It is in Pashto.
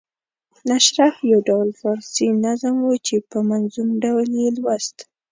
نشرح یو ډول فارسي نظم وو چې په منظوم ډول یې لوست.